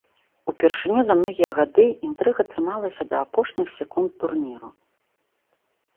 Упершыню за многія гады інтрыга трымалася да апошніх секунд турніру!